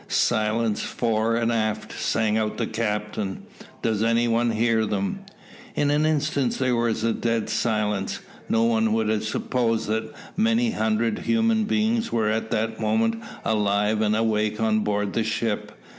"Silence fore and aft," sang out the captain. "Does any one hear them?" In an instant there was a dead silence. No one would have supposed that many hundred human beings were at that moment alive and awake on board the ship.